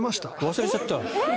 忘れちゃった。